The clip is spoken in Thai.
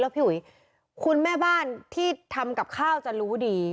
พี่อุ๋ยคุณแม่บ้านที่ทำกับข้าวจะรู้ดี